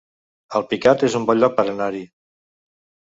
Alpicat es un bon lloc per anar-hi